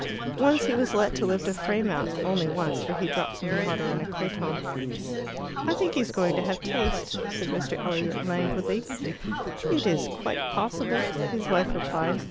Once he was let to lift a frame out only once, for he dropped some water on a creton. "I think he's going to have taste," said Mr. Elliot languidly. "It is quite possible," his wife replied.